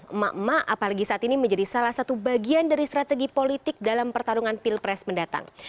emak emak apalagi saat ini menjadi salah satu bagian dari strategi politik dalam pertarungan pilpres mendatang